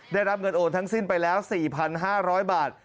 ได้รับเงินโอนทั้งสิ้นไปแล้ว๔๕๐๐บาท